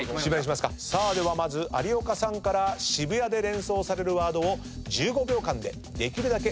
ではまず有岡さんから「渋谷」で連想されるワードを１５秒間でできるだけ多くお答えください。